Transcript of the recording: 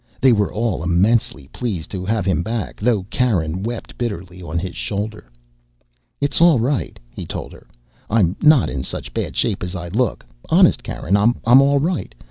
They were all immensely pleased to have him back, though Karen wept bitterly on his shoulder. "It's all right," he told her. "I'm not in such bad shape as I look. Honest, Karen, I'm all right.